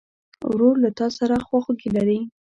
ورور له تا سره خواخوږي لري.